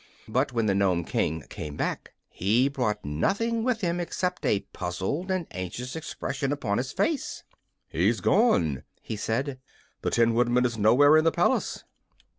But when the Nome King came back he brought nothing with him except a puzzled and anxious expression upon his face. "He's gone!" he said. "The Tin Woodman is nowhere in the palace."